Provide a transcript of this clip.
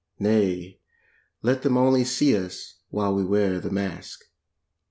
Nay, let them only see us, while We wear the mask.